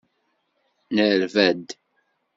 Nerba-d.